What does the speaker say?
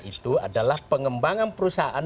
itu adalah pengembangan perusahaan